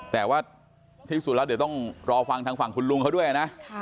แต่ว่าที่สุดแล้วเดี๋ยวต้องรอฟังทางฝั่งคุณลุงเขาด้วยนะ